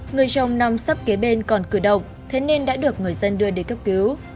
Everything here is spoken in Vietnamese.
người chồng nằm sắp kế bên còn cửa độc thế nên đã được người dân đưa đến cấp cứu